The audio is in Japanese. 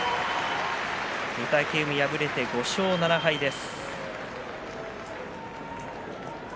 御嶽海は敗れて５勝７敗です。